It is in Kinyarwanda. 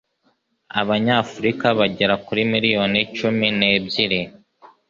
Abanyafurika bagera kuri miriyoni cumi nebyiri